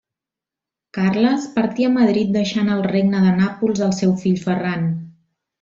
Carles partí a Madrid deixant el Regne de Nàpols al seu fill Ferran.